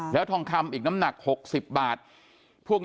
แล้วทองคำอีกน้ำหนัก๖๐บาทพวกนี้